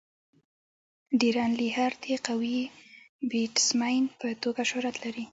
ډیرن لیهر د قوي بيټسمېن په توګه شهرت لري.